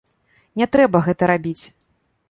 Не трэба гэта рабіць.